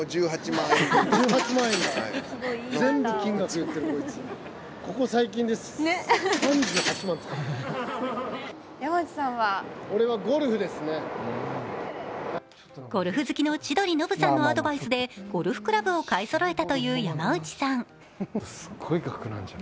続いての質問でもゴルフ好きの千鳥・ノブさんのアドバイスでゴルフクラブを買いそろえたという山内さん。